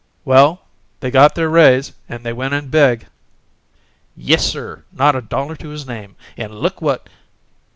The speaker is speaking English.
"Well, they got their raise, and they went in big."... "Yes, sir! Not a dollar to his name, and look at what